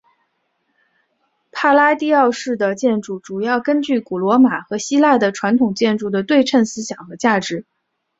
帕拉第奥式的建筑主要根据古罗马和希腊的传统建筑的对称思想和价值。